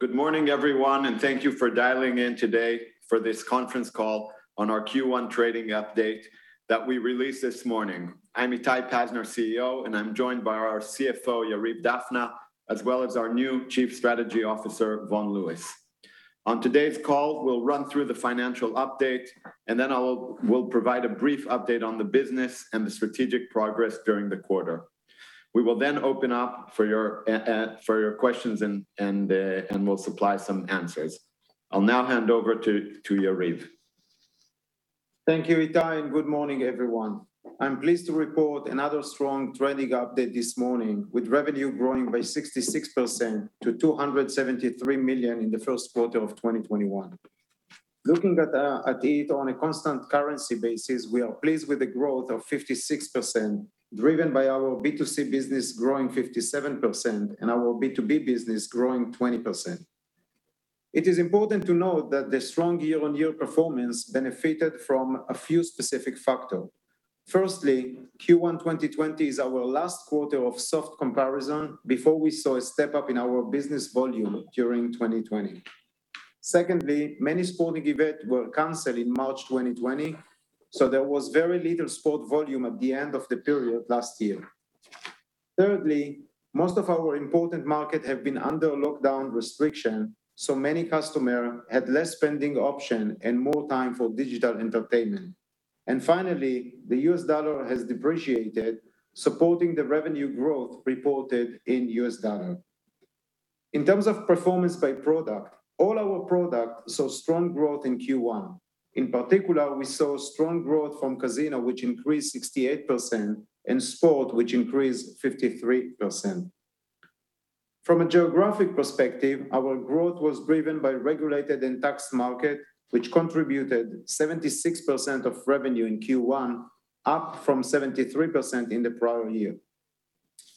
Good morning, everyone, thank you for dialing in today for this conference call on our Q1 trading update that we released this morning. I'm Itai Pazner, CEO, I'm joined by our CFO, Yariv Dafna, as well as our new Chief Strategy Officer, Vaughan Lewis. On today's call, we'll run through the financial update, then we'll provide a brief update on the business and the strategic progress during the quarter. We will open up for your questions, we'll supply some answers. I'll now hand over to Yariv. Thank you, Itai, and good morning, everyone. I'm pleased to report another strong trading update this morning, with revenue growing by 66% to $273 million in the first quarter of 2021. Looking at it on a constant currency basis, we are pleased with the growth of 56%, driven by our B2C business growing 57% and our B2B business growing 20%. It is important to note that the strong year-on-year performance benefited from a few specific factors. Firstly, Q1 2020 is our last quarter of soft comparison before we saw a step-up in our business volume during 2020. Secondly, many sporting events were canceled in March 2020, there was very little sport volume at the end of the period last year. Thirdly, most of our important markets have been under lockdown restriction, many customers had less spending options and more time for digital entertainment. Finally, the U.S. dollar has depreciated, supporting the revenue growth reported in U.S. dollar. In terms of performance by product, all our products saw strong growth in Q1. In particular, we saw strong growth from Casino, which increased 68%, and Sport, which increased 53%. From a geographic perspective, our growth was driven by regulated and taxed markets, which contributed 76% of revenue in Q1, up from 73% in the prior year.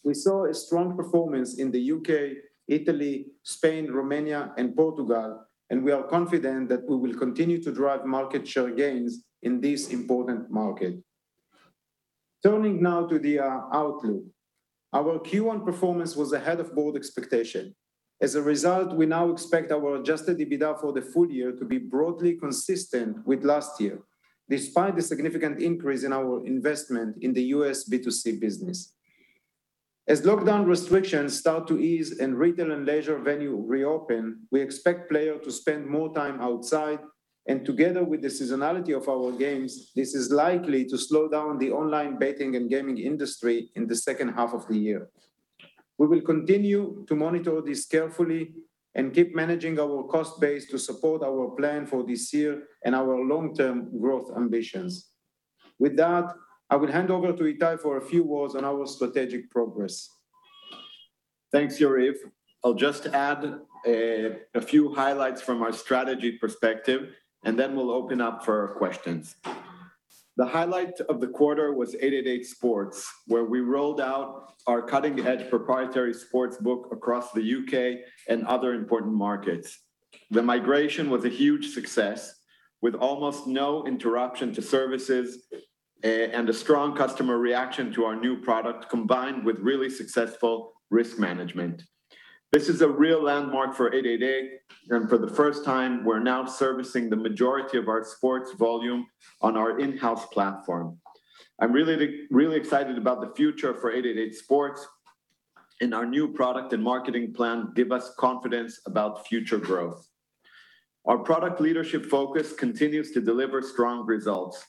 We saw a strong performance in the U.K., Italy, Spain, Romania, and Portugal, and we are confident that we will continue to drive market share gains in these important markets. Turning now to the outlook. Our Q1 performance was ahead of board expectation. As a result, we now expect our Adjusted EBITDA for the full year to be broadly consistent with last year, despite the significant increase in our investment in the US B2C business. As lockdown restrictions start to ease and retail and leisure venues reopen, we expect players to spend more time outside, and together with the seasonality of our games, this is likely to slow down the online betting and gaming industry in the second half of the year. We will continue to monitor this carefully and keep managing our cost base to support our plan for this year and our long-term growth ambitions. With that, I will hand over to Itai for a few words on our strategic progress. Thanks, Yariv. I'll just add a few highlights from our strategy perspective, and then we'll open up for questions. The highlight of the quarter was 888sport, where we rolled out our cutting-edge proprietary sportsbook across the U.K. and other important markets. The migration was a huge success, with almost no interruption to services and a strong customer reaction to our new product, combined with really successful risk management. This is a real landmark for 888, and for the first time, we're now servicing the majority of our sports volume on our in-house platform. I'm really excited about the future for 888sport, and our new product and marketing plan give us confidence about future growth. Our product leadership focus continues to deliver strong results,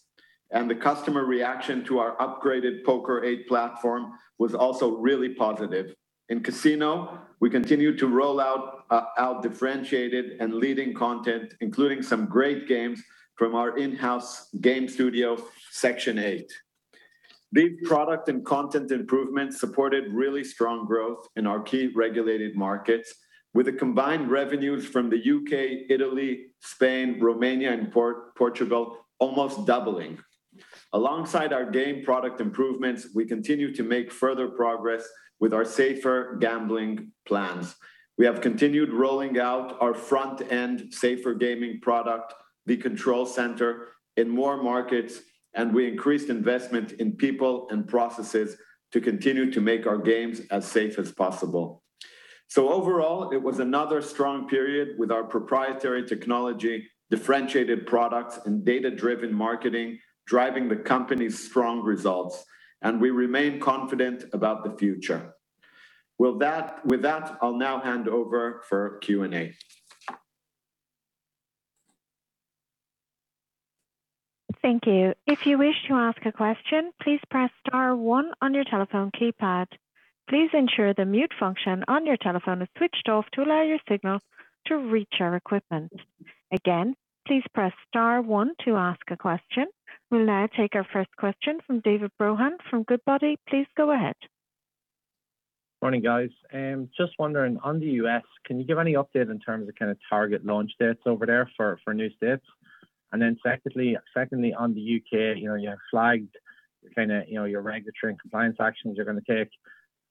and the customer reaction to our upgraded Poker8 platform was also really positive. In Casino, we continue to roll out our differentiated and leading content, including some great games from our in-house game studio, Section 8. These product and content improvements supported really strong growth in our key regulated markets, with the combined revenues from the U.K., Italy, Spain, Romania, and Portugal almost doubling. Alongside our game product improvements, we continue to make further progress with our safer gambling plans. We have continued rolling out our front-end safer gaming product, the Control Centre, in more markets, and we increased investment in people and processes to continue to make our games as safe as possible. Overall, it was another strong period with our proprietary technology, differentiated products, and data-driven marketing driving the company's strong results, and we remain confident about the future. With that, I'll now hand over for Q&A. Thank you. If you wish to ask a question, please press star one on your telephone keypad. Please ensure the mute function on your telephone is switched off to allow your signal to reach our equipment. Again, please press star one to ask a question. We will now take our first question from David Brohan from Goodbody. Please go ahead. Morning, guys. Just wondering, on the U.S., can you give any update in terms of target launch dates over there for new states? Secondly, on the U.K., you have flagged your regulatory and compliance actions you're going to take.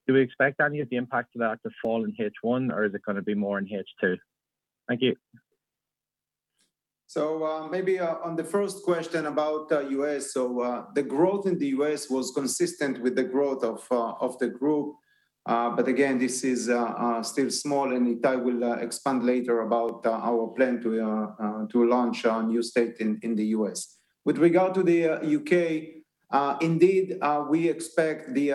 Do we expect any of the impact of that to fall in H1, or is it going to be more in H2? Thank you. Maybe on the first question about U.S., the growth in the U.S. was consistent with the growth of the group. Again, this is still small, and Itai will expand later about our plan to launch our new state in the U.S. With regard to the U.K., indeed, we expect the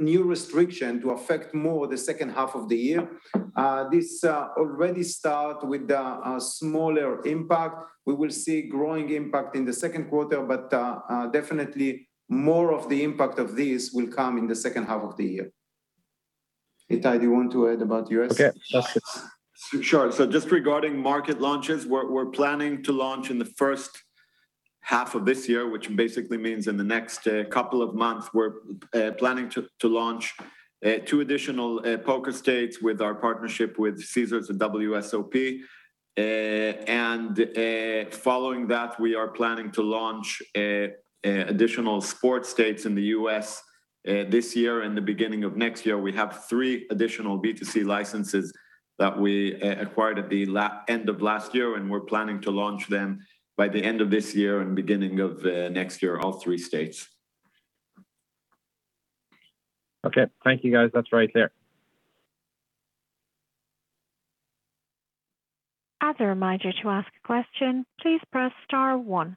new restriction to affect more the second half of the year. This already start with a smaller impact. We will see growing impact in the second quarter, definitely more of the impact of this will come in the second half of the year. Itai, do you want to add about U.S.? Sure. Just regarding market launches, we're planning to launch in the first half of this year, which basically means in the next couple of months, we're planning to launch two additional poker states with our partnership with Caesars and WSOP. Following that, we are planning to launch additional sports states in the U.S. this year and the beginning of next year. We have three additional B2C licenses that we acquired at the end of last year, and we're planning to launch them by the end of this year and beginning of next year, all three states. Okay. Thank you, guys. That's right there. As a reminder to ask a question, please press star one.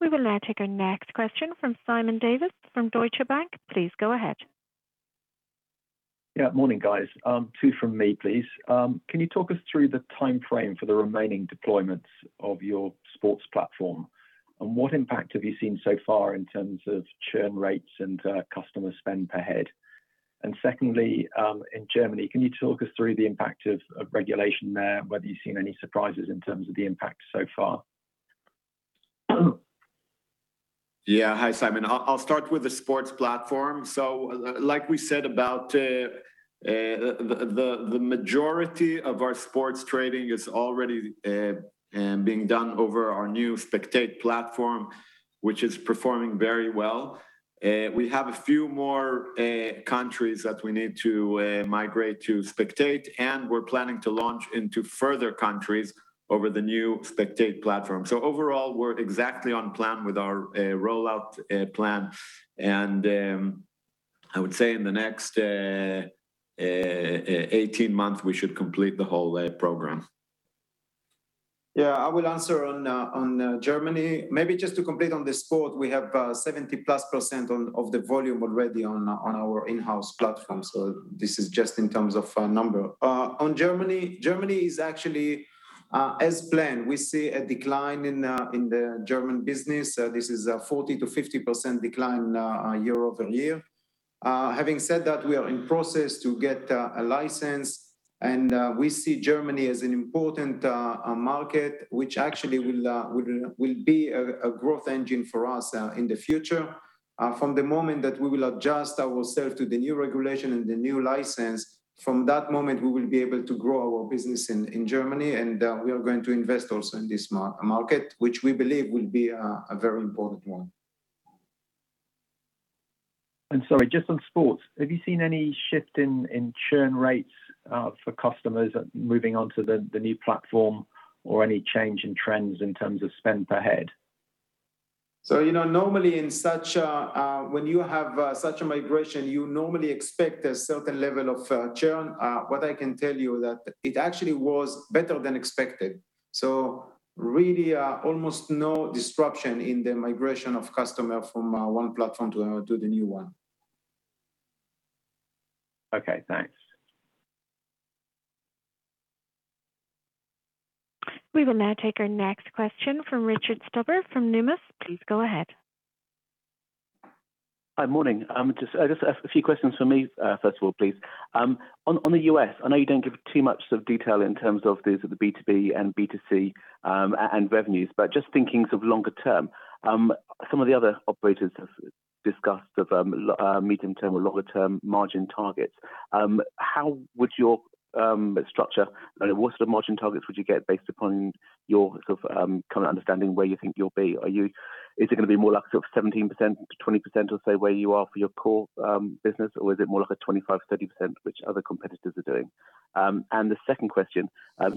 We will now take our next question from Simon Davies from Deutsche Bank. Please go ahead. Yeah. Morning, guys. Two from me, please. Can you talk us through the timeframe for the remaining deployments of your sports platform? What impact have you seen so far in terms of churn rates and customer spend per head? Secondly, in Germany, can you talk us through the impact of regulation there, and whether you've seen any surprises in terms of the impact so far? Yeah. Hi, Simon. I'll start with the sports platform. Like we said, the majority of our sports trading is already being done over our new Spectate platform, which is performing very well. We have a few more countries that we need to migrate to Spectate, and we're planning to launch into further countries over the new Spectate platform. Overall, we're exactly on plan with our rollout plan. I would say in the next 18 months, we should complete the whole program. Yeah, I will answer on Germany. Maybe just to complete on the sport, we have 70%-plus of the volume already on our in-house platform. This is just in terms of number. On Germany is actually as planned. We see a decline in the German business. This is a 40%-50% decline year-over-year. Having said that, we are in process to get a license, and we see Germany as an important market, which actually will be a growth engine for us in the future. From the moment that we will adjust ourselves to the new regulation and the new license, from that moment, we will be able to grow our business in Germany, and we are going to invest also in this market, which we believe will be a very important one. Sorry, just on sports, have you seen any shift in churn rates for customers moving onto the new platform or any change in trends in terms of spend per head? Normally when you have such a migration, you normally expect a certain level of churn. What I can tell you is that it actually was better than expected. Really, almost no disruption in the migration of customer from one platform to the new one. Okay, thanks. We will now take our next question from Richard Stuber from Numis. Please go ahead. Hi. Morning. Just a few questions from me, first of all, please. On the U.S., I know you don't give too much sort of detail in terms of the B2B and B2C and revenues, but just thinking sort of longer term, some of the other operators have discussed the medium-term or longer-term margin targets. How would your structure and what sort of margin targets would you get based upon your sort of current understanding where you think you'll be? Is it going to be more like sort of 17%-20% or so where you are for your core business, or is it more like a 25%, 30%, which other competitors are doing? The second question,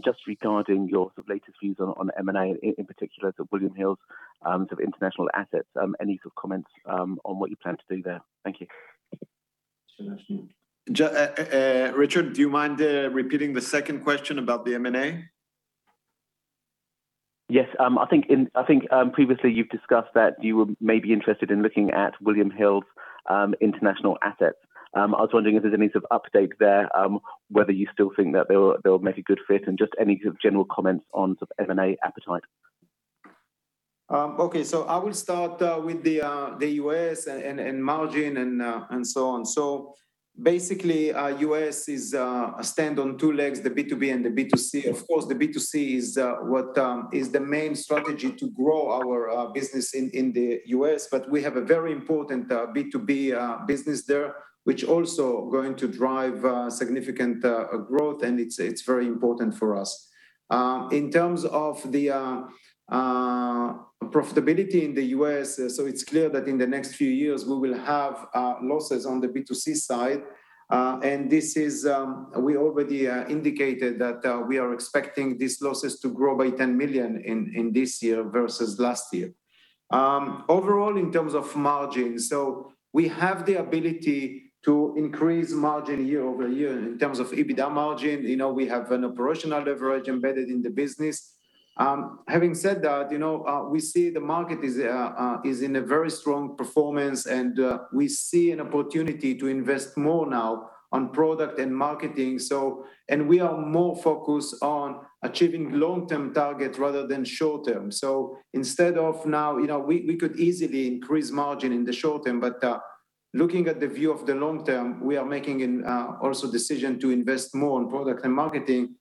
just regarding your latest views on M&A, in particular to William Hill's sort of international assets. Any sort of comments on what you plan to do there? Thank you. Richard, do you mind repeating the second question about the M&A? Yes. I think previously you've discussed that you were maybe interested in looking at William Hill's international assets. I was wondering if there's any sort of update there, whether you still think that they'll make a good fit, and just any sort of general comments on sort of M&A appetite? I will start with the U.S. and margin and so on. Basically, the U.S. stands on two legs, the B2B and the B2C. Of course, the B2C is the main strategy to grow our business in the U.S., but we have a very important B2B business there, which also going to drive significant growth, and it's very important for us. Profitability in the U.S. It's clear that in the next few years, we will have losses on the B2C side. We already indicated that we are expecting these losses to grow by $10 million in this year versus last year. Overall, in terms of margin, we have the ability to increase margin year-over-year in terms of EBITDA margin. We have an operational leverage embedded in the business. Having said that, we see the market is in a very strong performance, and we see an opportunity to invest more now on product and marketing. We are more focused on achieving long-term targets rather than short-term. We could easily increase margin in the short term, but looking at the view of the long term, we are making also decision to invest more on product and marketing.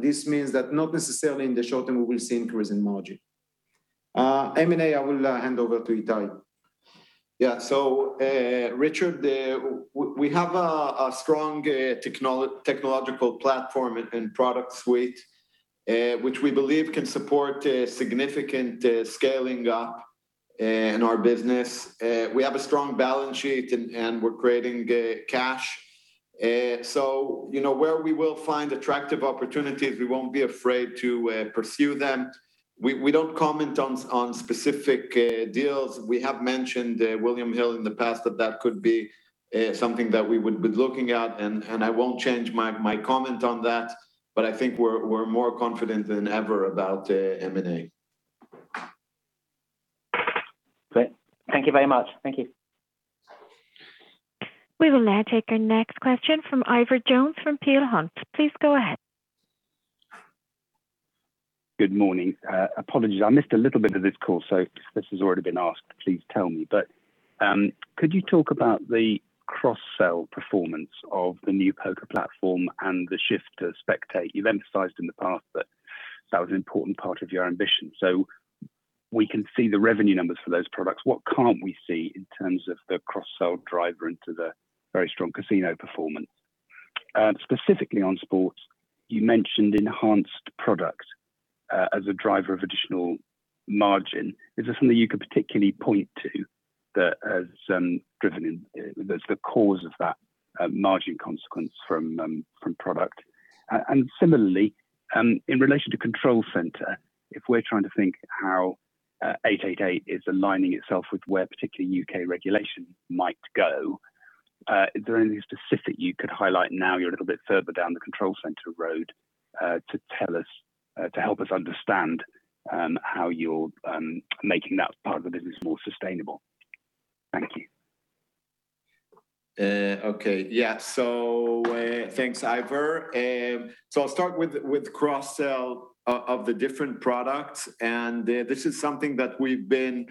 This means that not necessarily in the short term we will see increase in margin. M&A, I will hand over to Itai. Richard, we have a strong technological platform and product suite, which we believe can support significant scaling up in our business. We have a strong balance sheet, and we're creating cash. Where we will find attractive opportunities, we won't be afraid to pursue them. We don't comment on specific deals. We have mentioned William Hill in the past, that could be something that we would be looking at, and I won't change my comment on that. I think we're more confident than ever about M&A. Great. Thank you very much. Thank you. We will now take our next question from Ivor Jones from Peel Hunt. Please go ahead. Good morning. Apologies, I missed a little bit of this call, so if this has already been asked, please tell me. Could you talk about the cross-sell performance of the new poker platform and the shift to Spectate? You've emphasized in the past that that was an important part of your ambition. So we can see the revenue numbers for those products. What can't we see in terms of the cross-sell driver into the very strong casino performance? Specifically on sports, you mentioned enhanced product as a driver of additional margin. Is there something you could particularly point to that's the cause of that margin consequence from product? Similarly, in relation to Control Center, if we're trying to think how 888 is aligning itself with where particularly U.K. regulation might go, is there anything specific you could highlight now you're a little bit further down the Control Center road, to help us understand how you're making that part of the business more sustainable? Thank you. Okay. Yeah. Thanks, Ivor. I'll start with cross-sell of the different products, and this is something that we've been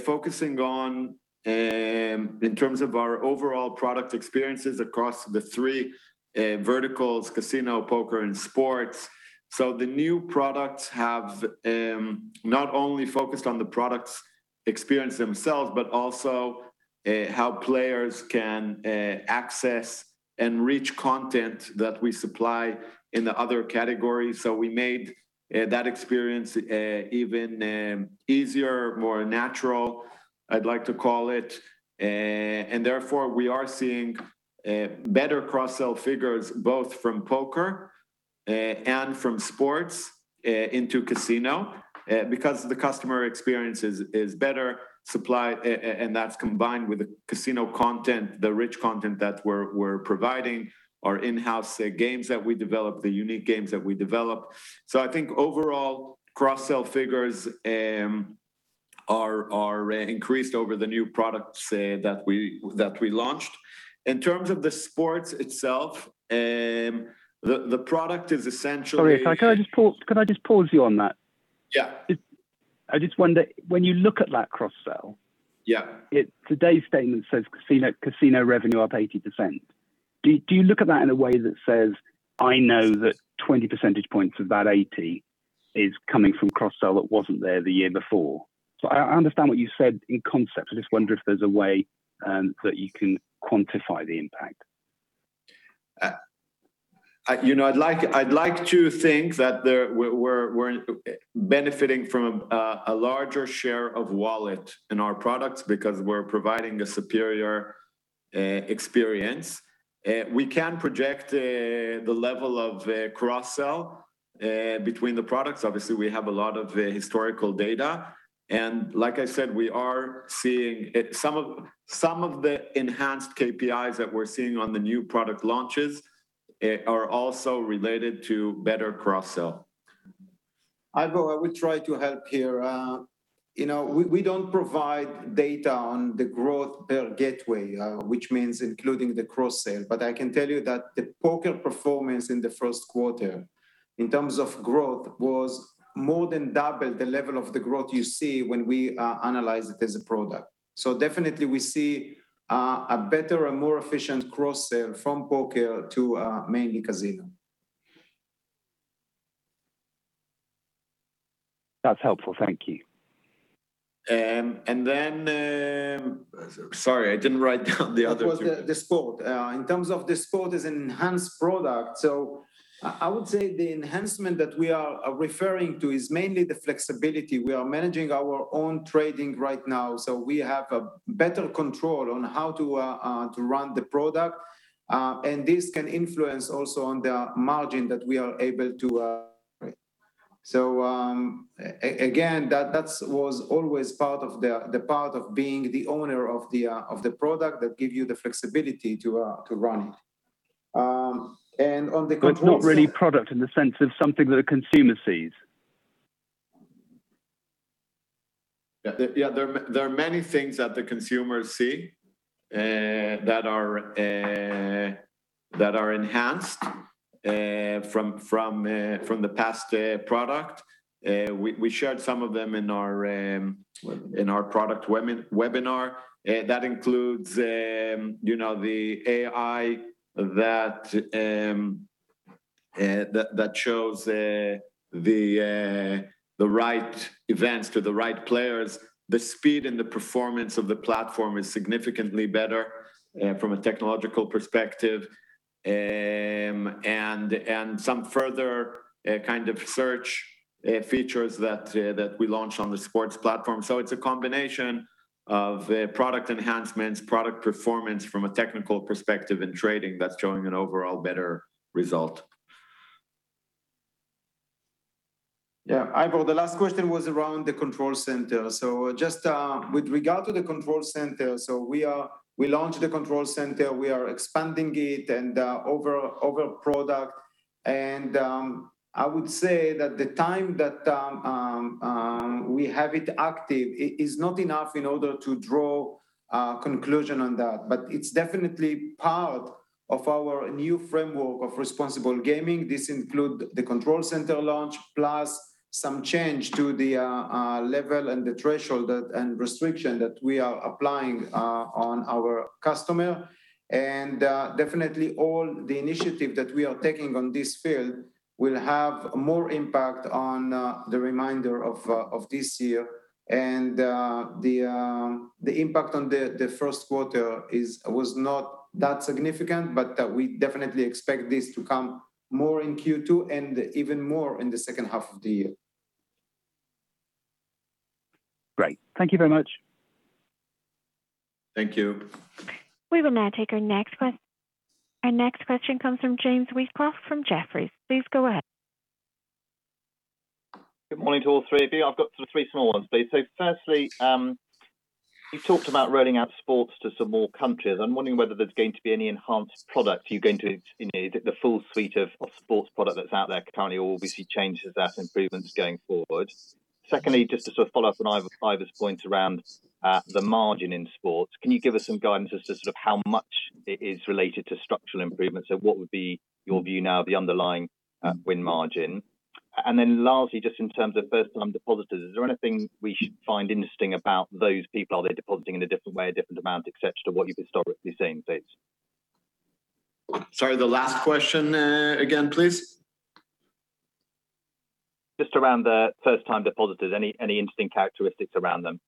focusing on in terms of our overall product experiences across the three verticals, casino, poker, and sports. The new products have not only focused on the products experience themselves, but also how players can access and reach content that we supply in the other categories. We made that experience even easier, more natural, I'd like to call it. Therefore, we are seeing better cross-sell figures, both from poker and from sports into casino, because the customer experience is better, and that's combined with the casino content, the rich content that we're providing, our in-house games that we develop, the unique games that we develop. I think overall, cross-sell figures are increased over the new products that we launched. In terms of the sports itself, the product is essentially. Sorry, could I just pause you on that? Yeah. I just wonder, when you look at that cross-sell. Yeah Today's statement says casino revenue up 80%. Do you look at that in a way that says, "I know that 20 percentage points of that 80 is coming from cross-sell that wasn't there the year before"? I understand what you said in concept. I just wonder if there's a way that you can quantify the impact. I'd like to think that we're benefiting from a larger share of wallet in our products because we're providing a superior experience. We can project the level of cross-sell between the products. Obviously, we have a lot of historical data. Like I said, some of the enhanced KPIs that we're seeing on the new product launches are also related to better cross-sell. Ivor, I will try to help here. We don't provide data on the growth per gateway, which means including the cross-sell. I can tell you that the poker performance in the first quarter, in terms of growth, was more than double the level of the growth you see when we analyze it as a product. Definitely we see a better and more efficient cross-sell from poker to mainly casino. That's helpful. Thank you. Sorry, I didn't write down the other two. That was the sport. In terms of the Spectate as an enhanced product, I would say the enhancement that we are referring to is mainly the flexibility. We are managing our own trading right now, we have a better control on how to run the Spectate. This can influence also on the margin that we are able to operate. Again, that was always part of being the owner of the Spectate that give you the flexibility to run it. On the Control Centre. It's not really product in the sense of something that a consumer sees. Yeah. There are many things that the consumers see that are enhanced from the past product. We shared some of them in our product webinar. That includes the AI that shows the right events to the right players. The speed and the performance of the platform is significantly better from a technological perspective, and some further search features that we launched on the sports platform. It's a combination of product enhancements, product performance from a technical perspective, and trading that's showing an overall better result. Yeah. Ivor, the last question was around the Control Centre. Just with regard to the Control Centre, we launched the Control Centre. We are expanding it and the overall product, and I would say that the time that we have it active is not enough in order to draw a conclusion on that. It's definitely part of our new framework of responsible gaming. This include the Control Centre launch, plus some change to the level and the threshold and restriction that we are applying on our customer. Definitely all the initiative that we are taking on this field will have more impact on the remainder of this year. The impact on the first quarter was not that significant, but we definitely expect this to come more in Q2 and even more in the second half of the year. Great. Thank you very much. Thank you. We will now take our next question. Our next question comes from James Wheatcroft from Jefferies. Please go ahead. Good morning to all three of you. I've got three small ones, please. Firstly, you talked about rolling out sports to some more countries. I'm wondering whether there's going to be any enhanced product you're going to need, the full suite of sports product that's out there currently, obviously changes, adds improvements going forward. Secondly, just to follow up on Ivor's points around the margin in sports, can you give us some guidance as to how much it is related to structural improvements, what would be your view now of the underlying win margin? Lastly, just in terms of First Time Depositors, is there anything we should find interesting about those people? Are they depositing in a different way, different amount, et cetera, to what you've historically seen, please? Sorry, the last question again, please. Just around the First Time Depositors. Any interesting characteristics around them?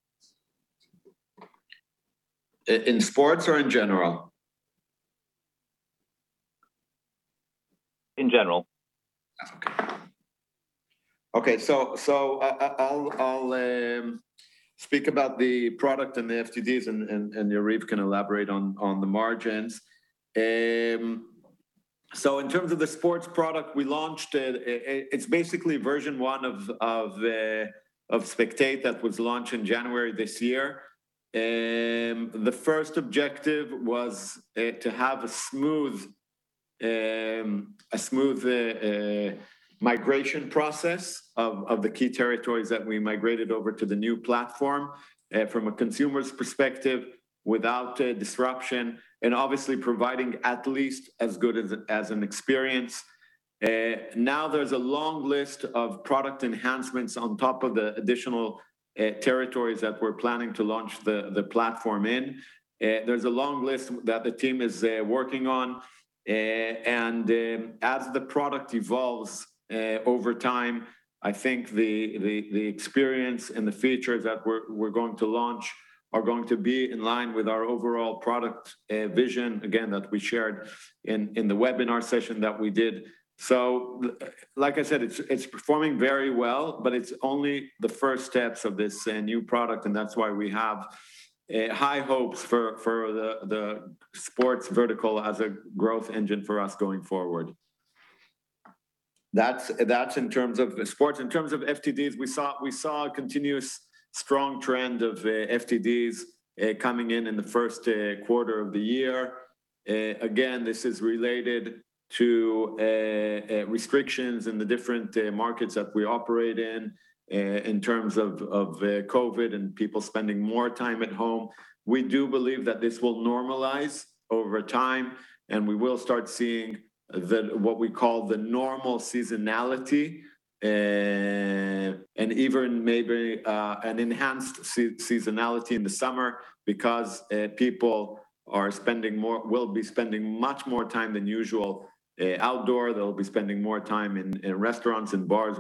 In sports or in general? In general. Okay. I'll speak about the product and the FTDs, and Yariv can elaborate on the margins. In terms of the sports product we launched, it's basically version 1 of Spectate that was launched in January this year. The first objective was to have a smooth migration process of the key territories that we migrated over to the new platform from a consumer's perspective without disruption, and obviously providing at least as good as an experience. Now there's a long list of product enhancements on top of the additional territories that we're planning to launch the platform in. There's a long list that the team is working on, and as the product evolves over time, I think the experience and the features that we're going to launch are going to be in line with our overall product vision, again, that we shared in the webinar session that we did. Like I said, it's performing very well, but it's only the first steps of this new product, and that's why we have high hopes for the sports vertical as a growth engine for us going forward. That's in terms of sports. In terms of FTDs, we saw a continuous strong trend of FTDs coming in the first quarter of the year. Again, this is related to restrictions in the different markets that we operate in terms of COVID and people spending more time at home. We do believe that this will normalize over time, and we will start seeing what we call the normal seasonality, and even maybe an enhanced seasonality in the summer because people will be spending much more time than usual outdoor. They'll be spending more time in restaurants and bars,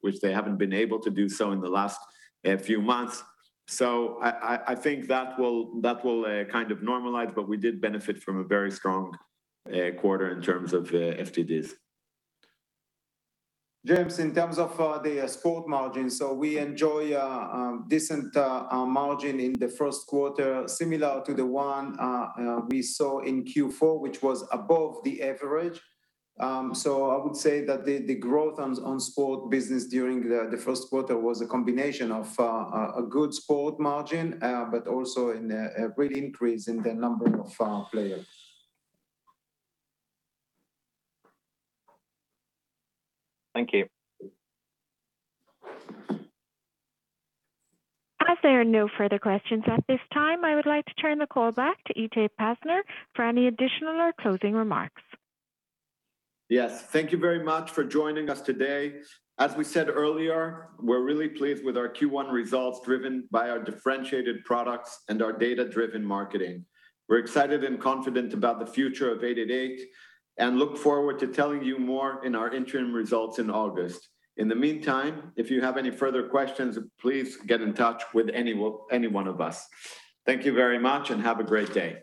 which they haven't been able to do so in the last few months. I think that will normalize, but we did benefit from a very strong quarter in terms of FTDs. James, in terms of the sport margin, we enjoy a decent margin in the first quarter, similar to the one we saw in Q4, which was above the average. I would say that the growth on sport business during the first quarter was a combination of a good sport margin, but also a great increase in the number of players. Thank you. As there are no further questions at this time, I would like to turn the call back to Itai Pazner for any additional or closing remarks. Yes. Thank you very much for joining us today. As we said earlier, we're really pleased with our Q1 results driven by our differentiated products and our data-driven marketing. We're excited and confident about the future of 888, and look forward to telling you more in our interim results in August. In the meantime, if you have any further questions, please get in touch with any one of us. Thank you very much and have a great day.